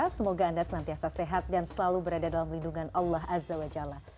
semoga anda senantiasa sehat dan selalu berada dalam lindungan allah azza wa jalla